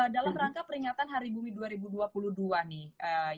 dalam rangka peringatan hari bumi dua ribu dua puluh dua nih